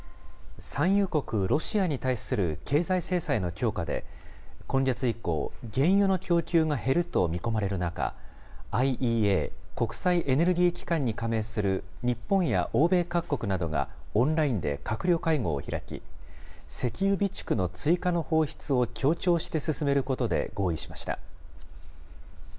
産油国ロシアに対する経済制裁の強化で、今月以降、原油の供給が減ると見込まれる中、ＩＥＡ・国際エネルギー機関に加盟する日本や欧米各国などがオンラインで閣僚会合を開き、石油備蓄の追加の放出を協調して進めることで合意しました。